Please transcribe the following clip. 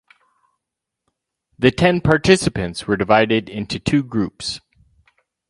The ten participants were divided into two groups.